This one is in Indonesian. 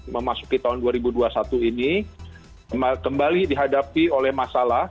memasuki tahun dua ribu dua puluh satu ini kembali dihadapi oleh masalah